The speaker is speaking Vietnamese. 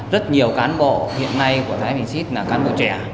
rất nhiều cán bộ hiện nay của thái bình xít là cán bộ trẻ